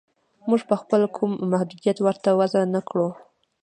موږ چې خپله کوم محدودیت ورته وضع نه کړو